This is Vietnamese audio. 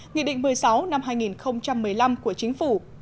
nghị định một mươi sáu năm hai nghìn một mươi năm của chính phủ